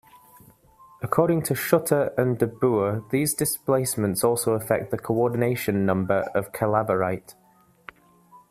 According to Schutte and DeBoer, those displacements also affect the coordination number of calaverite.